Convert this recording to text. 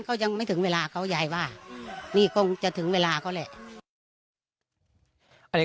เขายังไม่ถึงเวลาเขายายว่านี่คงจะถึงเวลาเขาแหละ